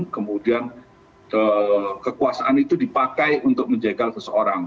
kemudian kekuasaan itu dipakai untuk menjegal seseorang